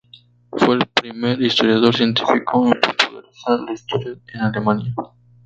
Fue el primer historiador científico en popularizar la historia en Alemania.